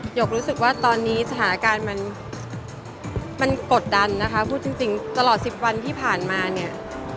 หกรู้สึกว่าตอนนี้สถานการณ์มันกดดันนะคะพูดจริงตลอด๑๐วันที่ผ่านมาเนี่ย